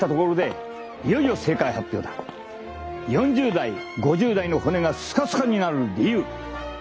４０代５０代の骨がスカスカになる理由。